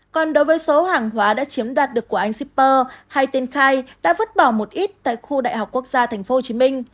còn đối với số hàng hóa đã chiếm đoạt được của anh shipper hay tên khai đã vứt bỏ một ít tại khu đại học quốc gia tp hcm